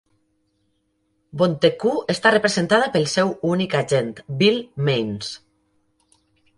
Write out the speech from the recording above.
Bontecou està representada pel seu únic agent, Bill Maynes.